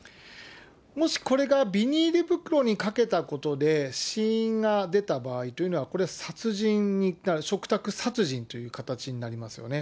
もしこれがビニール袋にかけたことで、死因が出た場合というのは、これ、殺人、嘱託殺人という形になりますよね。